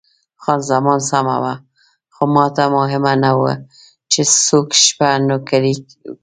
خان زمان سمه وه، خو ماته مهمه نه وه چې څوک شپه نوکري کوي.